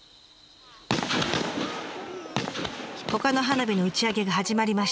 ほかの花火の打ち上げが始まりました。